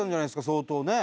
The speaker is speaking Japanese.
相当ね。